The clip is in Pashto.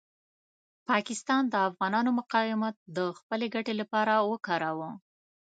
پاکستان د افغانانو مقاومت د خپلې ګټې لپاره وکاروه.